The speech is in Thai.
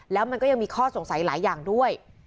แล้วมันก็ยังมีข้อสงสัยหลายอย่างด้วย